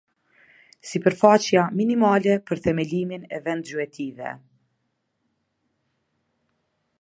Sipërfaqja minimale për themelimin e vendgjuetive.